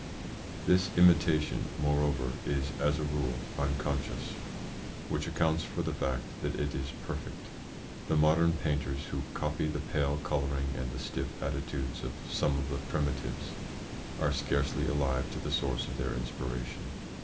This imitation, moreover, is, as a rule, unconscious, which accounts for the fact that it is perfect. The modern painters who copy the pale colouring and the stiff attitudes of some of the Primitives are scarcely alive to the source of their inspiration.